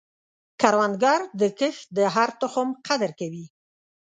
کروندګر د کښت د هر تخم قدر کوي